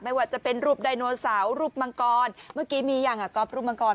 ไม่ว่าจะเป็นรูปไดโนเสาร์รูปมังกรเมื่อกี้มียังอ่ะก๊อฟรูปมังกร